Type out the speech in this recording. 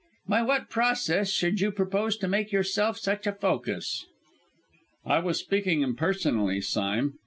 "By what process should you propose to make yourself such a focus?" "I was speaking impersonally, Sime.